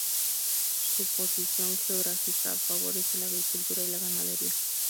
Su posición geográfica favorece la agricultura y la ganadería.